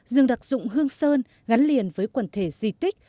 rừng đặc dụng hương sơn gắn liền với quần thể di tích